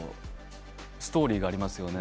ストーリーがありますよね。